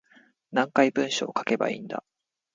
何回文章書けばいいんだ